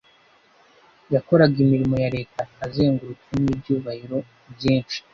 Yakoraga imirimo ya Leta azengurutswe n'ibyubahiro byinshi